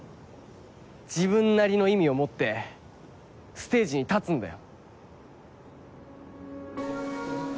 自分なりの意味を持ってステージに立つんだよ。